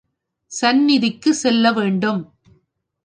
சந்நிதிக்குச் செல்ல வேண்டும்.